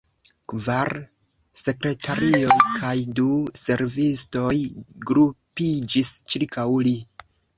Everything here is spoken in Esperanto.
Kvar sekretarioj kaj du servistoj grupiĝis ĉirkaŭ li.